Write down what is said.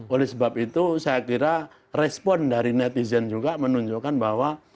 oleh sebab itu saya kira respon dari netizen juga menunjukkan bahwa